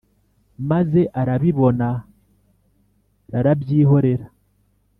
maze arabibona rarabyihorera